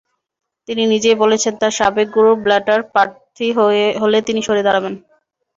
তিনি নিজেই বলেছেন, তাঁর সাবেক গুরু ব্ল্যাটার প্রার্থী হলে তিনি সরে দাঁড়াবেন।